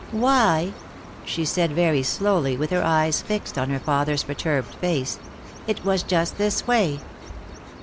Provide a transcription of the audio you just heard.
"Why," she said, very slowly, with her eyes fixed on her father's perturbed face, "it was just this way.